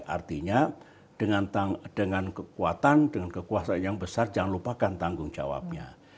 artinya dengan kekuatan dengan kekuasaan yang besar jangan lupakan tanggung jawabnya